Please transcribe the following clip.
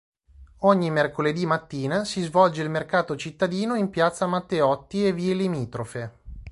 Ogni mercoledì mattina si svolge il mercato cittadino in piazza Matteotti e vie limitrofe.